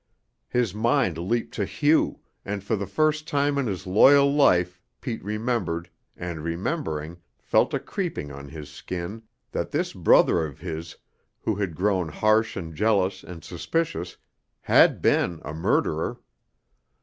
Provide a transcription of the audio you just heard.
His mind leaped to Hugh, and for the first time in his loyal life Pete remembered, and remembering, felt a creeping on his skin, that this brother of his, who had grown harsh and jealous and suspicious, had been a murderer.